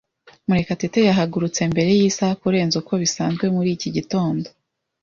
Murekatete yahagurutse mbere yisaha kurenza uko bisanzwe muri iki gitondo.